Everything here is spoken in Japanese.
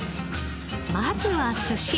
まずは寿司。